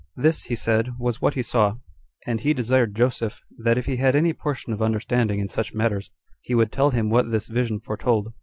This, he said, was what he saw; and he desired Joseph, that if he had any portion of understanding in such matters, he would tell him what this vision foretold.